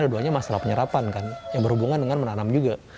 dua duanya masalah penyerapan kan yang berhubungan dengan menanam juga